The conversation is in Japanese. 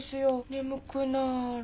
眠くなる。